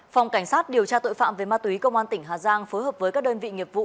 phòng cảnh sát điều tra tội phạm về ma túy công an tỉnh hà giang phối hợp với các đơn vị nghiệp vụ